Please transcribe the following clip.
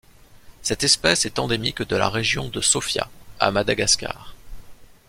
Cette espèce est endémique de la région de Sofia à Madagascar.